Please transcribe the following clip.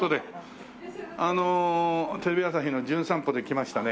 あのテレビ朝日の『じゅん散歩』で来ましたね